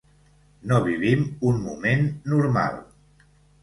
No vivim un moment “normal”!